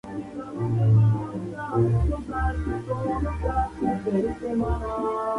El siguiente diagrama muestra a las localidades en un radio de de Jacksonville.